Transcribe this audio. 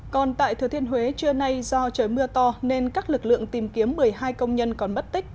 còn tại thừa thiên huế trưa nay do trời mưa to nên các lực lượng tìm kiếm một mươi hai công nhân còn mất tích